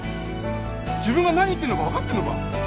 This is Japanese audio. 自分が何言ってんのか分かってんのか？